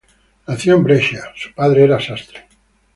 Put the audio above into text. Nació en Brescia, su padre era sastre.